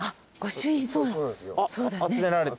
集められて。